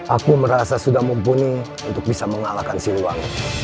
aku merasa sudah mumpuni untuk bisa mengalahkan siluang